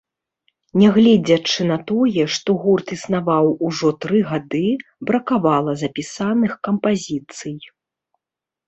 Нягледзячы на тое, што гурт існаваў ужо тры гады, бракавала запісаных кампазіцый.